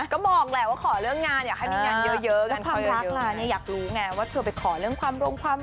ก็บอกแหละว่าขอเรื่องงาน